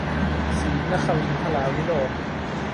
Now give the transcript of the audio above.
ศรีนครินทรวิโรฒ